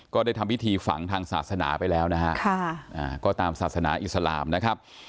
ก็ได้ทำพิธีฝังทางศาสนาไปแล้วนะฮะก็ตามศาสนาอิสลามนะครับ